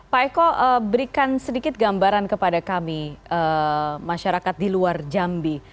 pak eko berikan sedikit gambaran kepada kami masyarakat di luar jambi